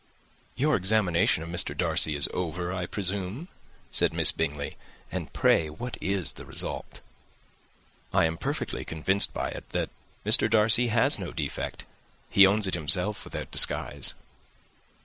"Your examination of Mr. Darcy is over, I presume," said Miss Bingley; "and pray what is the result?" "I am perfectly convinced by it that Mr. Darcy has no defect. He owns it himself without disguise."